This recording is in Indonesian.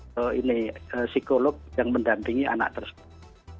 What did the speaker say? psikolog yang mendampingi anak tersebut